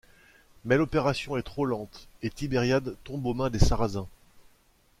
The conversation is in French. Mais l'opération est trop lente et Tibériade tombe aux mains des Sarrasins.